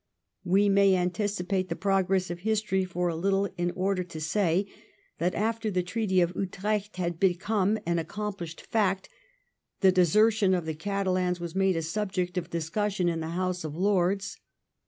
We may anticipate the progress of history for a httle in order to say that, after the Treaty of Utrecht had become an accompUshed fact, the desertion of the Catalans was made a subject of discussion in the House of Lords.